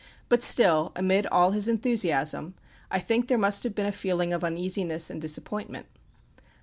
But still, amid all his enthusiasm, I think there must have been a feeling of uneasiness and disappointment.